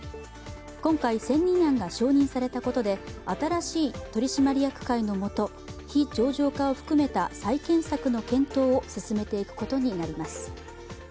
今回、選任案が承認されたことで新しい取締役会のもと非上場化を含めた再建策の検討を進めていくことになります。